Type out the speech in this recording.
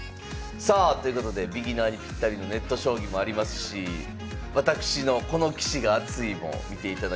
さあということでビギナーにピッタリのネット将棋もありますしわたくしの「この棋士がアツい！」も見ていただきたいと思います。